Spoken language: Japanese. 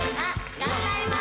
頑張ります。